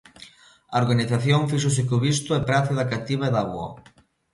A organización fíxose co visto e prace da cativa e da avoa.